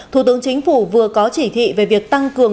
thủ tướng chính phủ vừa có chỉ thị về việc tăng cường